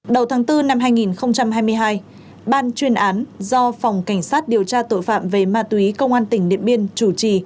đầu tháng bốn năm hai nghìn hai mươi hai ban chuyên án do phòng cảnh sát điều tra tội phạm về ma túy công an tỉnh điện biên chủ trì